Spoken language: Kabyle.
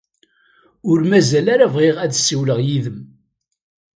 Ur mazal ara bɣiɣ ad ssiwleɣ yid-m.